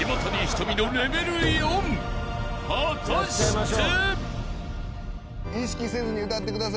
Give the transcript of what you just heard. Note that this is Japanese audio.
［果たして？］